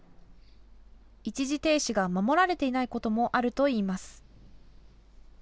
一時停止が守られていないこともあるといいます。